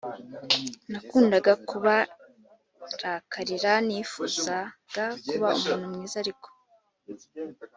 nakundaga kubarakarira nifuzaga kuba umuntu mwiza ariko